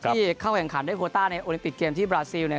ที่เข้าแข่งขันได้โคต้าในโอลิปิกเกมที่บราซิลเนี่ย